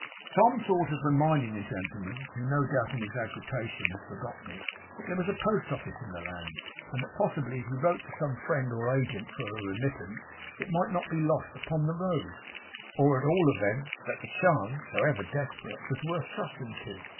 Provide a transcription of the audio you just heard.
Tom thought of reminding the gentleman (who, no doubt, in his agitation had forgotten it) that there was a post office in the land; and that possibly if he wrote to some friend or agent for a remittance it might not be lost upon the road; or at all events that the chance, however desperate, was worth trusting to.